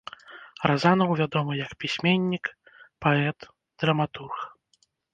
Разанаў вядомы як пісьменнік, паэт, драматург.